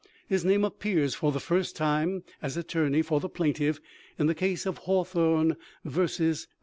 His name appears for the first time as attorney for the plaintiff in the case of Hawthorne vs.